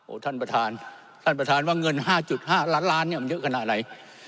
ท่านประธานท่านประธานว่าเงิน๕๕ล้านล้านเนี่ยมันเยอะขนาดไหน